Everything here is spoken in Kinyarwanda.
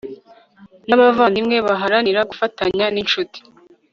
n'abavandimwe, baharanira gufatanya n'inshuti